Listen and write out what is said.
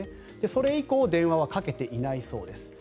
それ以降電話はかけていないそうです。